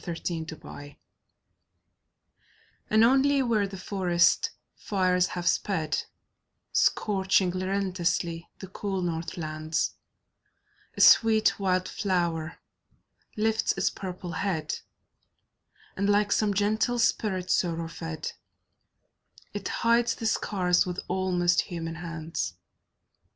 FIRE FLOWERS And only where the forest fires have sped, Scorching relentlessly the cool north lands, A sweet wild flower lifts its purple head, And, like some gentle spirit sorrow fed, It hides the scars with almost human hands.